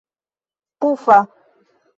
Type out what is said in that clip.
pufa